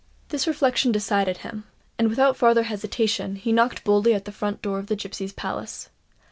This reflection decided him; and, without farther hesitation, he knocked boldly at the front door of the Gipsies' Palace.